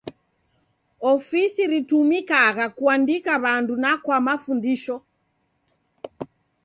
Ofisi ritumikagha kuandika w'andu na kwa mafundisho.